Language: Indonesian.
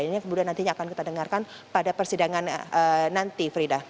ini kemudian nantinya akan kita dengarkan pada persidangan nanti frida